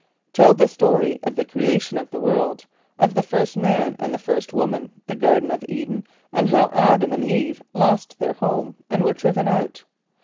Tell the story of the creation of the world; of the first man and the first woman; the Garden of [=E]´d[)e]n, and how [)A]d´[)a]m and [=E]ve lost their home, and were driven out.